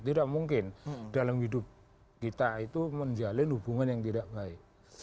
tidak mungkin dalam hidup kita itu menjalin hubungan yang tidak baik